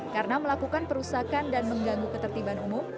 karena melakukan perusahaan dan mengganggu ketertiban umum